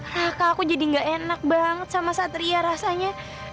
hah aku jadi gak enak banget sama satria rasanya